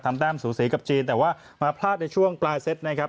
แต้มสูสีกับจีนแต่ว่ามาพลาดในช่วงปลายเซตนะครับ